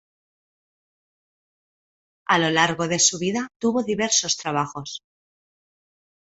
A lo largo de su vida tuvo diversos trabajos.